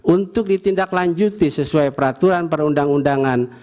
untuk ditindak lanjuti sesuai peraturan perundang undangan